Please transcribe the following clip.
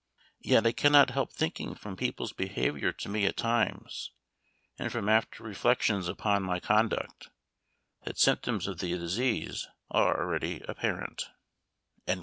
Yet I cannot help thinking from people's behavior to me at times, and from after reflections upon my conduct, that symptoms of the disease are already apparent."